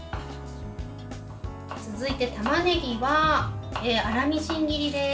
続いて、たまねぎは粗みじん切りです。